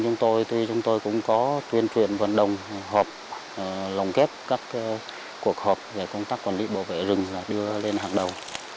chúng tôi cũng có tuyên truyền vận động hợp lồng kép các cuộc hợp về công tác quản lý bảo vệ rừng đưa lên hàng đầu